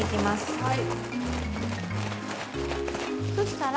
はい。